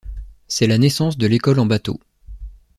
C’est la naissance de l’École en bateau.